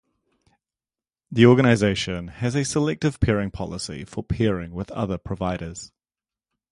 The organisation has a selective peering policy for peering with other providers.